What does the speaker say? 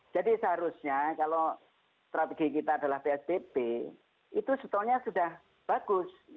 jadi seharusnya kalau strategi kita adalah psbb itu setelahnya sudah bagus